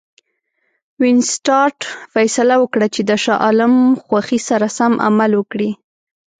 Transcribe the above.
وینسیټارټ فیصله وکړه چې د شاه عالم خوښي سره سم عمل وکړي.